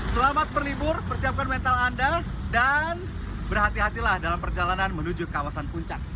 selamat berlibur persiapkan mental anda dan berhati hatilah dalam perjalanan menuju kawasan puncak